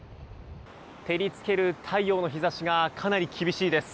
照り付ける太陽の日差しがかなり厳しいです。